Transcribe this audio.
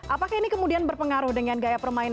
apakah ini kemudian berpengaruh dengan gaya permainan